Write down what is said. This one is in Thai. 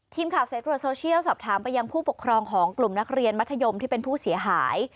ทีมข่าวสายตรวจโซเชียลสอบถามไปยังผู้ปกครองของกลุ่มนักเรียนมัธยมที่เป็นผู้เสียหาย